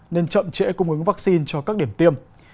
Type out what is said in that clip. nên chậm trễ cung ứng vắc xin cho các điểm tiêm